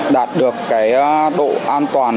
đạt được cái độ an toàn